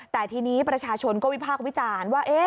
แต่ทีนี้ประชาชนก็วิพากษ์วิจารณ์ว่า